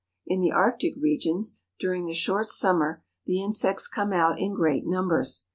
In the Arctic regions, during the short summer, the insects come out in great numbers.